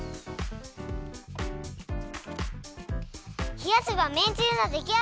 ひやせばめんつゆのできあがり。